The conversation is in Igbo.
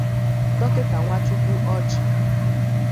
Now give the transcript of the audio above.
Dọkịta Nkwàchukwu Orji